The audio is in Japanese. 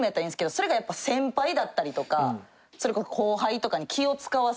それがやっぱ先輩だったりとかそれこそ後輩とかに気を使わす。